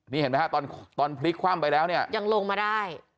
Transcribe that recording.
นี่เห็นไหมฮะตอนตอนพลิกคว่ำไปแล้วเนี่ยยังลงมาได้